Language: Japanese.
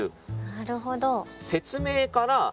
なるほど。